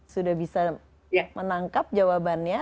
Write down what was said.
sudah bisa menangkap jawabannya